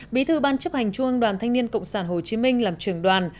bí thư ban chấp hành trung ương đoàn thanh niên cộng sản hồ chí minh làm trưởng đoàn